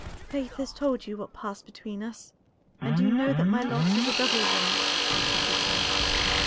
"Faith has told you what has passed between us, and you know that my loss is a double one," she said.